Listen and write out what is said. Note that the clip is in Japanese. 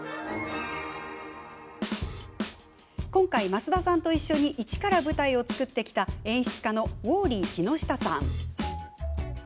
今回、増田さんと一緒に一から舞台を作ってきた演出家のウォーリー木下さん。